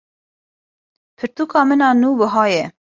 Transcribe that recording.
Pirtûka min a nû buha ye.